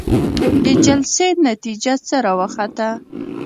د جلسې نتيجه څه راوخته؟